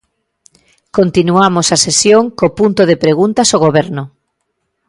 Continuamos a sesión co punto de preguntas ao Goberno.